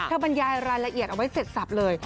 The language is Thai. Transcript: บรรยายรายละเอียดเอาไว้เสร็จสับเลย